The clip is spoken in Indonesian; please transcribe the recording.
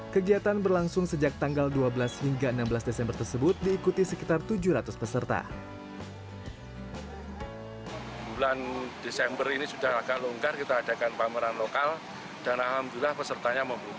kegiatan berlangsung sejak tanggal dua belas hingga enam belas desember tersebut diikuti sekitar tujuh ratus peserta